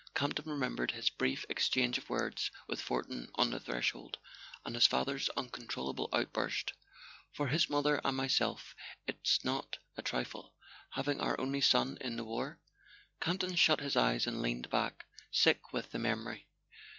Campton remembered his brief exchange of words with Fortin on the threshold, and the father's uncon¬ trollable outburst: "For his mother and myself it's not a trifle—having our only son in the war." Campton shut his eyes and leaned back, sick with the memory.